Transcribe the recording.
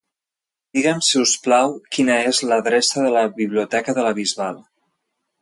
Digue'm, si us plau, quina és l'adreça de la biblioteca de la Bisbal.